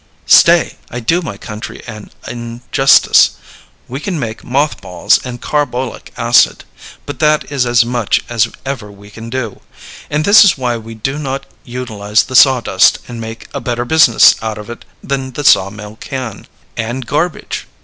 Stay! I do my country an injustice. We can make moth balls and carbolic acid. But that is as much as ever we can do. And this is why we do not utilize the saw dust and make a better business out of it than the sawmill can. And garbage!